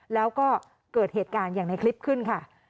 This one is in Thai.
แล้วก็เกิดเหตุการณ์อย่างในคลิปขึ้นค่ะ